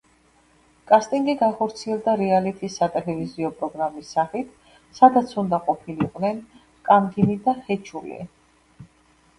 კასტინგი განხორციელდა რეალითი სატელევიზიო პროგრამის სახით, სადაც უნდა ყოფილიყვნენ კანგინი და ჰეჩული.